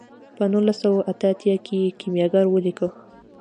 په نولس سوه اته اتیا کې یې کیمیاګر ولیکه.